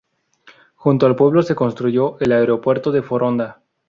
Junto al pueblo se construyó el aeropuerto de Foronda.